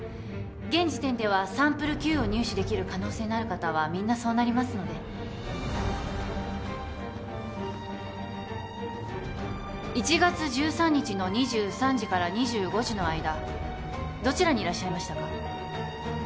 現時点ではサンプルＱを入手できる可能性のある方はみんなそうなりますので１月１３日の２３時から２５時の間どちらにいらっしゃいましたか？